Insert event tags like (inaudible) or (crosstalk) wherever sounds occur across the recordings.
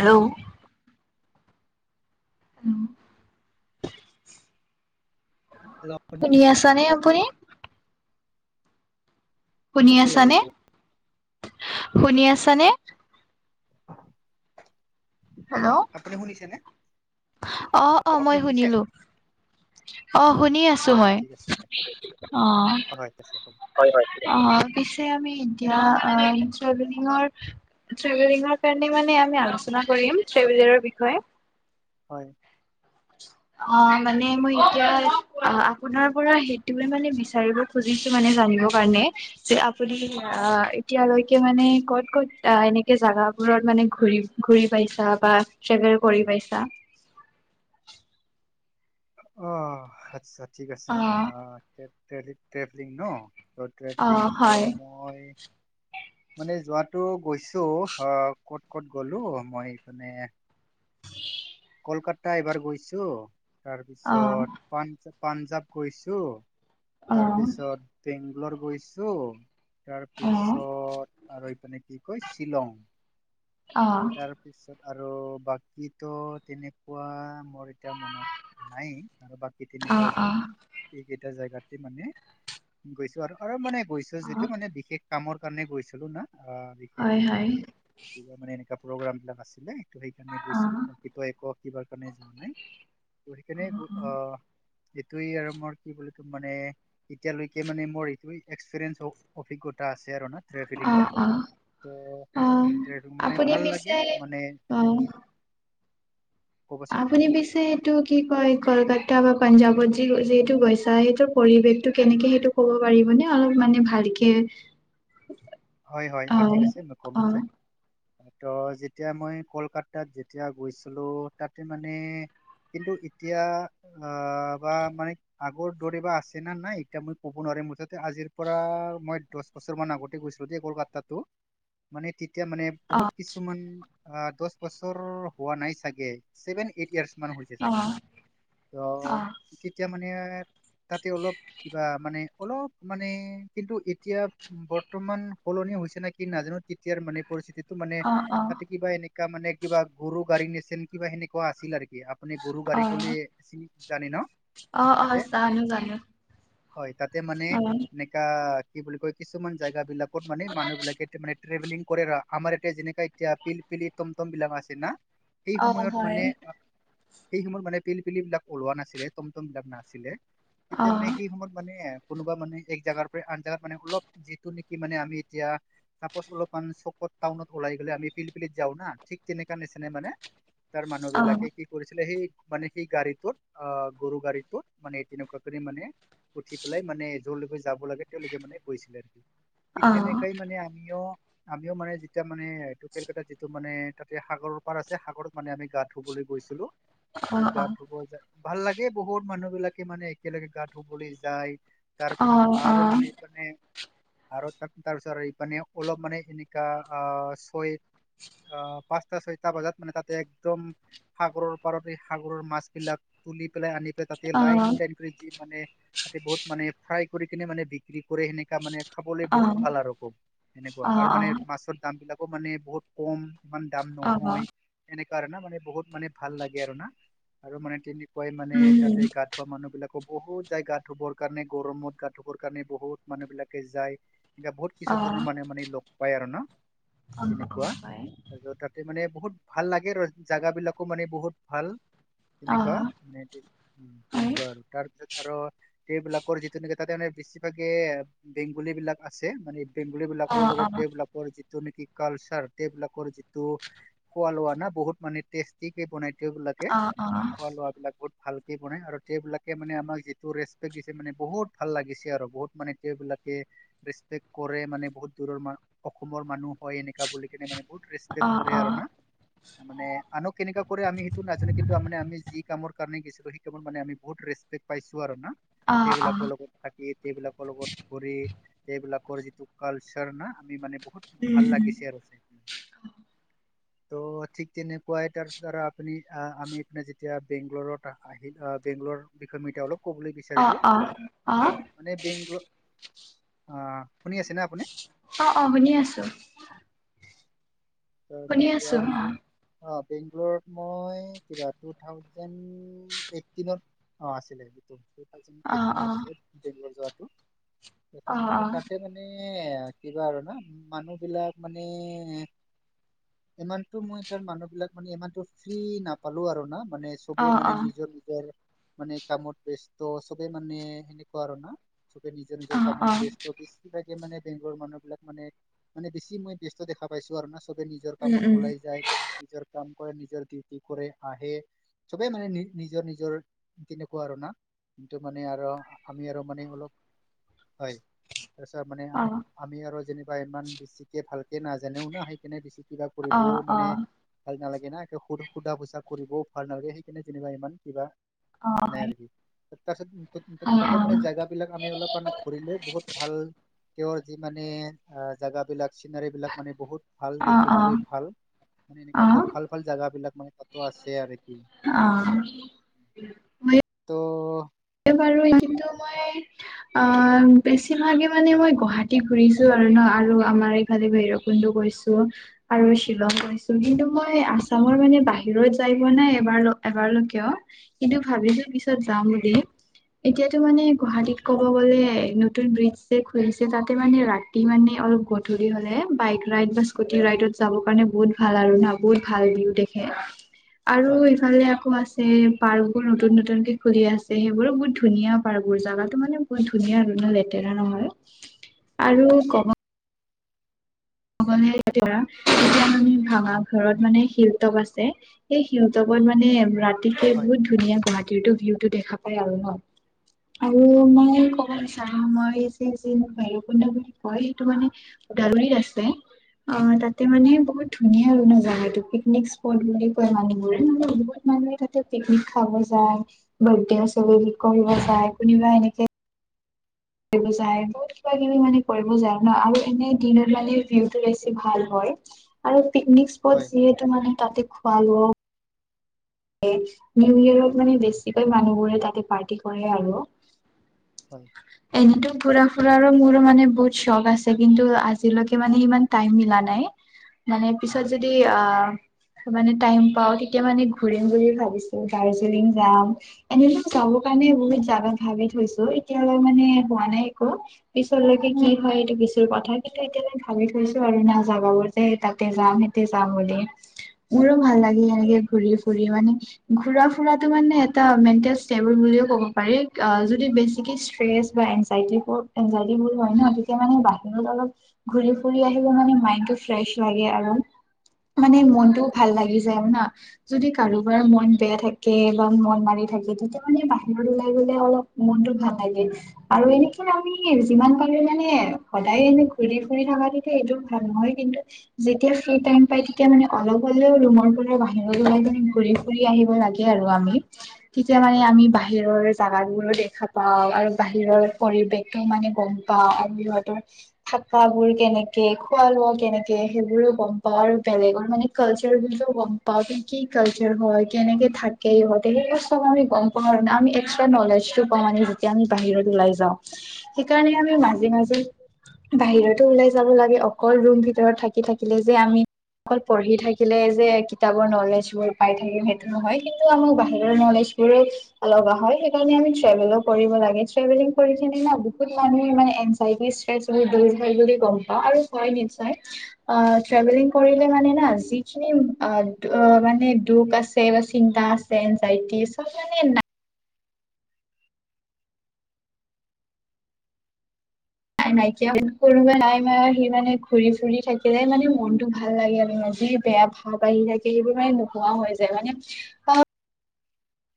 Hello. Hello (inaudible) শুনি শুনিছে? আছা নে আপুনি? শুনি হেল্ল' আছানে? শুনি আছানে? (inaudible) হেল্ল' আপুনি শুনিছেনেে? অ' অ'। মই শুনিলো। অ' শুনি আছো অ' মই। ঠিক আছে দিয়ক অ। হয় ঠিক আছে হ'ব হৈ হৈ। অ পিছে আমি সেয়া অ ট্ৰেভেলিং কাৰণে মানে আমি আলোচনা কৰিম ট্ৰেভেলিং তেওঁ বিষয়ে। হয়। অ' মানে মই এতিয়া অ আপোনাৰ পৰা সেইটোোৱে মানে বিচাৰিব খুজিছো মানে জানিব কাৰণে তে আপুনি এতিয়ালৈকে মানে কত-কত এনেকে জেগাত দূৰত মানে ঘুৰি পাইছা বা ট্ৰেভেল কৰি পাইছা? অ আচ্ছা ঠিক আছে। অ', টেভেলিং ন? অ', ট্ৰেভেলিংটো হয়, মই (inaudible) মানে যোৱাাতটো গৈছো অ ক'ত ক'ত গলো মই এপনে (inaudible) কলকাতা এইবাৰ গৈছোঁ অ', তাৰপিছতাঞ পাঞ্জাৱ গৈছোঁ। অ', তাৰপিছত বেংগলৰ গৈছো অ', অ', তাৰপিছত আৰু এইফানে কি কয় শ্বিলং অ', তাৰপিছত আৰু বাকীটোো তেনেকুৱা মোৰ এতিয়া মনত নাই আৰু বাকী তেনেকুৱা যোৱা অ', নাইেই এটা জেগাতে মানে গৈছো আৰু আৰু মানে গৈছো অ', যিহেতু মানে বিশেষ কামৰ কাৰণে গৈছিলো না আহ বিশেষ হয়, মানে হয়, কিবা মানে এনেকুৱা প্ৰগ্ৰাম বিলাক আছিলে সেইকাৰণে গৈছিলো অ', কি এক কিবাৰ কাৰণে যোৱা নাই ত সেইকাৰণে আহ এইটোয়ে আৰু মই কি বুলি ত মানে এতিয়ালৈকে মানে মোৰ এইটোয়ে এক্সপিৰিয়েন্ঞ্চ অভিজ্ঞতা আছে আৰু না অ', ট্ৰেভেলিঙৰ অ', ত অ', উ মানে আপুনি ভাল লাগে পিছে মানে অ', ক'বচোন আপুনি পিছে এইটো কি কয় কলকাত তাৰাপা পাঞ্জাৱত যি যিহেতু গৈছা। সেইটোৰ পৰিৱেশটো কেনেকে সেইটো ক'ব পাৰিবনে অলপ মানে ভাল কে হয়, হয়, অ' ঠিক আছে মই অ', (unintelligible) তো যেতিয়া মই কলকাতাত যেতিয়া গৈছিলো তাতে মানে কিন্তু এতিয়া অ' বা মানে আগৰ দৰে বা আছে না নাই এতিয়া মই ক'ব নোৱাৰো। মুঠতে আজিৰ পৰা মই দহ বছৰ মান আগতে গৈছো। যদি কলকাতাটো মানে তেতিয়া মানে বহুত অ', কিছুমান দহ বছৰ হোৱা নাই চাগে ছেভেন এইট ইয়াৰ্চ মান হৈছে চাগে। অ', ত অ', তেতিয়া মানে তাতে অলপ কিবা মানে অলপ মানে কিন্তু এতিয়া বৰ্তমান সলনি হৈছে নে কিি নাজানো তেতিয়াৰ মানে পৰিস্থিতিটোো মানে অ', অ', তাতে কিবা এনে া মানে কিবা গৰু গাড়ী নচন কিবা সেনেকুৱা আছিল আৰুকি আপুনি গৰু গাড়ী অ', কৰিিন জানি ন অ অ তাতে জান জানো হয় তাতে মানে অ', এনেকা কি বুলি কয় কিছুমান জেগা বিলাকত মানে মানুহ বিলাকে মানে ট্ৰেভেলিং কৰে আমাৰ এতিয়া যেনেকা এতিয়া পিলপিলি টমটম বিলং আছে না সেই অ', সময়ত হয়, মানে আহ সেই সময়ত মানে পিলপিলি বিলাক ওলোৱা নাছিলে টমটম বিলাক নাছিলে তেতিয়া অ', মানে সেই সময়ত মানে কোনোবা মানে এক জাগগাৰ পৰা আন জোগাত মানে অলপ যিটো মানে আমি এতিয়া অলপ চকত টাউনত ওলাই গলে আমি ফিল যা না িক তেনেে মানে তাৰ মানুহ অ', বিলাকে কি কৰিছিলে সেই মানে সেই গাড়ীটোত অ' গৰু গাড়ীটোত মানে তেনেকুৱা কৰি মানে উঠি পেলাই মানে য'ত যাব লাগে তেওঁলোকে মানে কৈছিলে। ঠিক অ', তেনেকাই মানে আমিও। আমিও মানে যেতিয়া মানে এইটো কেলকাত যিটো মানে তাতে সাগৰৰ পাৰ আছে সাগৰত মানে আমি গাৰ ধুবলৈ গৈছিলো। অ', তত গা অ', ধুবলৈ যায় ভাল লাগে বহুত মানুহ বিলাকে মানে একেলগে গা ধুবলৈ যায়। তাৰপিছত অ', আৰু মানে মানে আৰু ত তাৰ পিছতপানে অলপ মানে এনেকা অ' ছয় অ পাঁচ সাটা, ছয়টা বজাত মানে তাতে একদম সাগৰৰ পাৰত সাগৰৰ মাছ বিলাক তুলি পেলাই আনি পেলাই তাতে লাইন লাইন কৰি যি মানে তাতে বহুত মানে চাই কৰি কিনে মানে বিক্ৰী কৰে সেনেকা মানে খাবলৈ অ', বহুত অ', ভাল আৰু খুব এনেকুৱা আৰু মানে মাছৰ দামবিলাকো মানে বহুত কম ইমান দাম নহয় এনেককা না মানে বহুত মানে ভাল লাগে আৰু না আৰু মানে পুৱাই মানে তাতে গা ধোৱা মানুহ বিলাক। আকৌ বহুত যাই গা ধুবৰ কাৰণে গৰমত গা ধুবৰ কাৰণে বহুত মানুহ বিলাকে যায়। এনো বহুত কিছু ধৰণৰ মানে মানে লগ পায় আৰু ন তেনেকুৱা ত তাতে মানে বহুত ভাল লাগে ৰ জোগা বিলাকো মানে বহুত ভাল। তেনেকুৱা মানে তেনেকুৱা আৰু তাৰ পিছত আৰু সেবিলাকৰ যিটো নেকি তাতে মানে বেছিভাগে বেংগলী বিলাক আছে মানে বেংগলী বিলাকৰ লগত সেইবিলাকৰ যি টো নেকি কালচাৰ সবলাকৰ যিটো খোৱা লোৱা না বহুত মানে টেষ্টি কে বনাই। সোবিলাকে খোৱা লোৱাবিলাক বহুত ভালকে বনাই আৰু সেবিলাকে মানে আমাক যিটো ৰেচপেক্ট দিছে মানে বহুত ভাল লাগিছে আৰু বহুত মানে বিলাকে ৰেচিপি কৰে মানে বহুত দূৰৰ অসমৰ মানুহ হয় এনেকা বুলি কেনে মানে বহুত ৰেপেক্ট কৰে আৰু ন ত মানে আনক কেনেককা কৰে আমি সেইটো নাজানো কিন্তুানে আমি যি কামৰ কাৰণেই গছিলো মানে আমি বহুত ৰেচপেকট পাইছো আৰু ন। সেইবিলাকৰ লগত থাকি সেইবিলাকৰ লগত এইবিলাকৰ যিটো কালচাৰ না আমি মানে ভাল লাগিছে আৰু চাই। ত' ঠিক তেনেকুৱাই তাৰপিছত আৰু আপুনি আমি আপোনাৰ যেতিয়া বেংগলৰুত আহিল। বেংক বোৰে অলপ মিঠা ক'ব বিছ মানে অ' শুনি আছে ন আপুনি। অ' অ' শুনি আছো। শুনি যেতিয়া আছো অ'। বেংগলত মই কিবা টু থাউজেণ্ড এইটিনত অ' আছিলে এইটো। (unintelligible) অ', ট্ৰেইনিংত অ', আছিলে ট্ৰেইনিংত যোৱা অ', অ', ত' তাতে মানে এ কিবা আৰু না মানুহবিলাক মানে ইমানতটো মই তাৰ মানুহবিলাক মানে ইমানতটো ফ্ৰী নাপালো আৰু না। মানে অ', চবে অ', মানে অ', নিজৰ নিজৰ মানে কামত ব্যস্ত চবে মানে সেনেকুৱা আৰু না। চবে নিজৰ নিজৰ কামত ব্যস্ত দিছিলে। মানে বেংকৰ মানুহ বিলাক মানে বেছি মই ব্যস্ত দেখা পাইছো আৰু ন। চবে নিজৰ উম, কামত উম, ওলাই যায়, নিজৰ কাম কৰে নিজৰ ডিউটি কৰে আহে চবে মানে নি নিজৰ নিজৰ তেনেকুৱা আৰু না কিন্তু মানে আৰু আমি আৰু মানে অলপ হয়। তাৰপিছত মানে অ', অ', আমি আৰু যেনিবা ইমান বেছিকে ভালকে নাজানেও ন সেই কেনে দিছে। কিবা কৰিবও মানে ভাল নালাগে। এনে একে সুধ সোধা পোছা কৰিবও ভাল নালাগে সেইকাৰণে যেনিবা ইমান কিবা অ', অ', নাই আৰু হয়, অ', অ', তাৰপিছত তাতো মানে জেগাবিলাক আমি অলপমান ঘূৰিলো বহুত ভাল তেওঁৰ যি মানে জেগাবিলাক চিনাৰীবিলাক মানে বহুত ভাল অ', দেখিবলৈ ভাল। মানে এনেকা বহুতাল ভাল জেগাবিলাক মান তাত আছে আৰু কি। অ', অ', মই ত' (unintelligible) মই অ' বেছিভাগে মানে হয় মই গুৱাহাটী ঘুৰিছো আৰু ন আৰু আমাৰ এইফালে ভৈৰৱ কুণ্ড গৈছো আৰু শ্বিলং গৈছো। কিন্তু হয় মই আছামৰ মানে বাহিৰত যাই পোৱা নাই এবাৰ এবাৰও কিয়। কিন্তু ভাবিছো পিছত হয় যাম বুলি। এতিয়াতটো মানে হয় গুৱাহাটীত নিশ্চয় ক'ব গ'লে নতুন ব্ৰিজ যে খুলিছে তাতে মানে ৰাতি মানে অলপ গধূলি হ'লে বাইক ৰাইড বা স্কুটি ৰাইড ত যাবৰ কাৰণে বহুত ভাল আৰু বহুত ভাল ভিউ দেখে। আৰু হয় ইফালে আকৌ আছে পাৰ্কবোৰ নতুন নতুনকে খুলি আছে সেই এইবোৰো বহুত ধুনীয়া পাৰ্কবোৰ জোগাটো মানে বহুত ধুনীয়া আৰু ইমান লেতেৰা নহয়। হয় আৰু ক'ব গ'লে যেতিয়া আমি ভাড়া ঘৰত মানে শিলতপ আছে। সেই শিলতপত মানে ৰা গতিকে হয় বহুত ধুনীয়া গুৱাহাটীৰতো ভিউতটো দেখা পাই আৰু ন। আৰু মানে ক'ব হয় বিচাৰো মই যে যে ভইৰবকুণ্ড বুলি কয় সেইটো মানে ওদালগুৰিত আছ (inaudible) অ', তাতে মানে বহুত ধুনীয়া আৰু জেগাটো পিকনিক স্পট বুলি কয় মানুহবোৰে বহুত তাতে পিকনিক খাব যায়, বাথ্ৰডে চেলেব্ৰইট কৰিব যায়, কোনোবা এনেকে যায়। বহুত কিবা কিবি মানে কৰিব যায় ন আৰু এনে দিনত মানে ভিউতটো বেছি ভাল হয়। আৰু পিকনিক স্পট হয় হয় যিহেতু মানে তাতে খোৱা লোৱা নিউ ইয়েৰৰত মানে বেছিকৈ মানুহবোৰে তাতে পাৰ্টি কৰে আৰু। হয় এনেতো ফুৰা ফুৰা মোৰো মানে বহুত চখ আছে কিন্তু আজিলৈকে মানে ইমান টাইম মিলা নাই। মানে পিছত হয় যদি আ মানে টাইম পাওঁ তেতিয়া মানে ঘুৰিম বুলি ভাবিছো দাৰ্জিলিং যাম। এনেটো যাবৰ কাৰণে বহুত জাগা ভাবি থৈছো। এতিয়ালৈ মানে হোৱা নাই একো পিছলৈকে কি হয় এইটো পিছৰ কথা। সেইটো এতিয়ালৈ ভাবি থৈছো আৰু তাতে যাম বুলি। মোৰো ভাল হয় লাগে এনেকে ঘূৰি ঘুৰি মানে। ঘুৰা ফুৰাতো মানে এটা মেনটেল ষ্টেবোল বুলিও ক'ব পাৰি। আ যদি ষ্ট্ৰেচ বা এনজাইট এনাইটিবো বোৰ হয় ন গতিকে মানে বাহিৰত অলপ ঘূৰি ফুৰি আহি মাইনটো ফ্ৰেছ লাগে আৰু মানে হয় মনতটোও ভাল লাগি যায় না। যদি কাৰোবাৰ মন বেয়া থাকে বা মন মাৰি থাকে তেতিয়া মানে বাহিৰত ওলাই গ'লে অলপ মন ভাল লাগে আৰু এনেকৈ আমি যিমান পাৰো মানে সদায় এনে ঘূৰি ফুৰি থাকাতো এইটো ভাল নহয়। কিন্তু যেতিয়া ফ্ৰী হয় টাইম পাই তেতিয়া মানে অলপ হ'লেও ৰুমৰ পৰা বাহিৰত গৰু গাইজনী ঘুৰি ফুৰি আহিব লাগে আৰু আমি তেতিয়া মানে হয় আমি বাহিৰৰ জাগাবোৰো দে দেখা পাওঁ আৰু বাহিৰৰ পৰিৱেশটো মানে গম পাওঁ আৰু সিহঁতৰ থাকা বোৰ কেনে কেনেকে খোৱা লোৱা কেনেকে সেইবোৰো গম পাওঁ আৰু বেলেগৰ মানে কালচাৰ তো গম বা কি কালচাৰ হয় কেনেকে থাকে ইহঁতে সেইবোৰ চব গম পোৱা নাই আৰু এক্সট্ৰা নলেজ যেতিয়া আমি বাহিৰত ওলাই যাওঁ। সেইকাৰণে হয় আমি মাজে মাজে বাহিৰতো ওলাই যাব লাগে অকল ৰুম ভিতৰত থাকি থাকিলে যে আমি অকল পঢ়ি থাকিলে যে কিতাপৰ নলেজবোৰ পাই থাকিম সেইটো নহয়। কিন্তু আমাক বাহিৰৰ হয় নলেজবোৰো ল'ব লগা হয়। সেইকাৰণে আমি ট্ৰেভল কৰিব লাগে। ট্ৰেভেলিং কৰি কিনে বহুত মানুহে মানে এনজাইটি ষ্ট্ৰেছ (unintelligible) অঁ মানে দুখ আছে বা চিন্তা আছে ডাইতিচ চব মানে নাই নাইকিয়া নাই মানে সি মানে ঘূৰি ফুৰি থাকিলে মানে মনতটো ভাল লাগে আমি আজি বেয়া ভাৱ আহি থাকে সেইবোৰ মানে নোহোৱা হৈ যায় মানে অঁ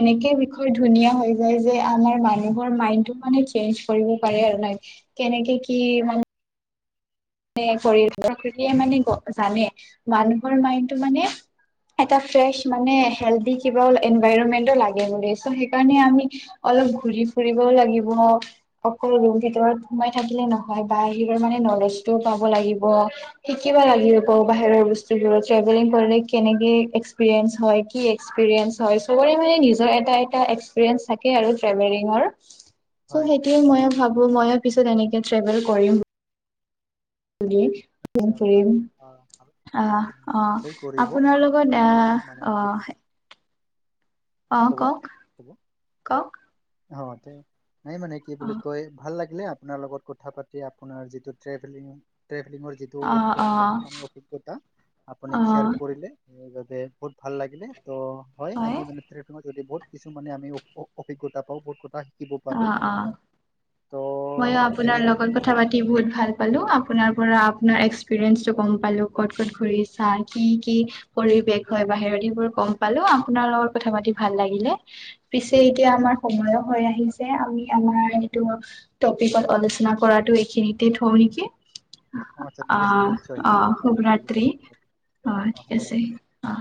এনেকে বিষয় ধুনীয়া হৈ যায় যে আমাৰ মানুহৰ মাইন্ড তো মানে চেঞ্জ কৰিব পাৰে আৰু কেনেকে কি মানে মানে কৰি প্ৰকৃতিয়ে মানে জানে মানুহৰ মাইণ্ড তো মানে হয় এটা ফ্ৰেছ মানে হেলদি কিবা এনভাইৰনমেন্টো লাগে মানে সেইকাৰণে আমি অলপ ঘুৰি ফুৰিবও লাগিব অকল ৰুম ভিতৰত সোমাই থাকিলে নহয় বাহিৰৰ মানে নলেজ টো পাব লাগিব শিকিবা লাগিব ব বাহিৰৰ বস্তুবোৰত ট্ৰেভেলিং কৰিলে কেনেকে এক্সপিৰিয়েঞ্চ হয় কি এক্সপিৰিয়েঞ্চ হয় সবৰে মানে নিজৰ এটা এটা এক্সপিৰিয়েঞ্চ থাকে আৰু ট্ৰেভেলিং হয় সেইটোয়ে ময় ভাবো ময়ো পিছত এনেকে ট্ৰেভেল কৰিম (unintelligible) আচ্ছা ভাল আহ ভাল কথা আহ আমি অঁ নিশ্চয় কৰিব আপোনাৰ লগত মানে মানে কি বুলি অঁ অঁ ক'ব কওক কওক অঁ নাই মানে কি অ বুলি কয় ভাল লাগে আপোনাৰ লগত কথা পাতি আপোনাৰ যিটো ট্ৰেভেলিং ট্ৰেভেলিঙৰ যিটো অ মানে অভিজ্ঞতা আপুনি অ শ্বেয়াৰ কৰিলে বহুত ভাল লাগিলে ত' হয় আমি মানে যদি বহুত কিছু মানে আমি অভিজ্ঞতা তাৰ পৰাও বহুত কথা শিকিব অ পাৰো অ ত' ময়ো আপোনাৰ তেনেহ'লে লগত কথা পাতি বহুত ভাল পালো আপোনাৰ পৰা আপোনাৰ এক্সপিৰিয়েঞ্চটো গম পালো ক'ত ক'ত ঘুৰিচা কি কি পৰিবেশ হয় বাহিৰত বোৰ গম পালো আপোনাৰ লগত কথা পাতি ভাল লাগিলে পিছে এতিয়া আমাৰ সময়ো হৈ আহিছে আমি আমাৰ সেইটো হয় টপিকত আলোচনা কৰাটো এইখিনিতে থওঁ নেকি অ আচ্ছা ঠিক আছে অঁ নিশ্চয় অঁ ঠিক আছে শুভৰাত্ৰি হ'ব অঁ ঠিক আছে অ